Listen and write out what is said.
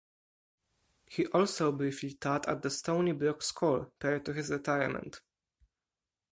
He also briefly taught at The Stony Brook School prior to his retirement.